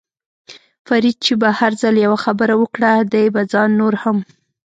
فرید چې به هر ځل یوه خبره وکړه، دې به ځان نور هم.